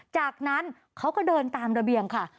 จากนั้นเขาก็เดินตามระเบียงค่ะ